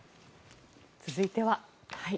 続いては。